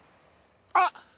あっ！